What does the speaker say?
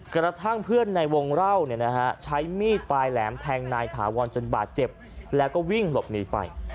กระทั่งเพื่อนในวงเล่าใช้มีดปลายแหลมแทงนายถาวรจนบาดเจ็บแล้วก็วิ่งหลบหนีไป